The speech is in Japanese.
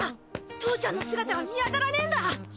父ちゃんの姿が見当たらねえんだ！